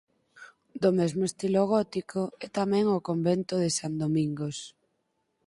Do mesmo estilo gótico é tamén o convento de San Domingos.